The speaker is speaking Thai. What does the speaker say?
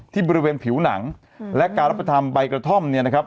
ที่บริเวณผิวหนังและการรับประทานใบกระท่อมเนี่ยนะครับ